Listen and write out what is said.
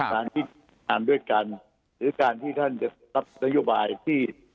การที่อ่านด้วยกันหรือการที่ท่านจะรับนโยบายที่